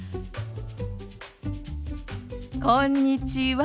こんにちは。